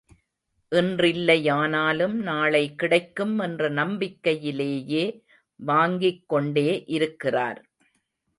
இன்றில்லையானாலும் நாளை கிடைக்கும் என்ற நம்பிக்கையிலேயே வாங்கிக் கொண்டே இருக்கிறார்.